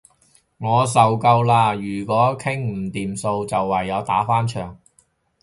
我受夠喇！如果傾唔掂數，就唯有打返場